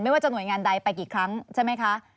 ว่าจะหน่วยงานใดไปกี่ครั้งใช่ไหมคะ